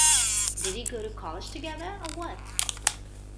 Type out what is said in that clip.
Did you go to college together, or what?